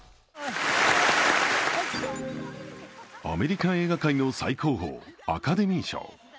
アメリカ映画界の最高峰、アカデミー賞。